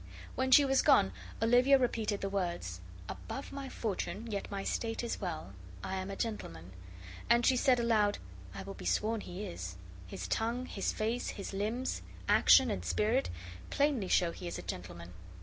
When she was gone Olivia repeated the words, ABOVE MY FORTUNES, YET MY STATE IS WELL. I AM A GENTLEMAN. And she said aloud, "I will be sworn he is; his tongue, his face, his limbs, action, and spirit plainly show he is a gentleman."